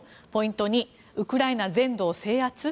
ポイント２ウクライナ全土を制圧？